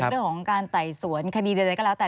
เรื่องของการไต่สวนคดีใดก็แล้วแต่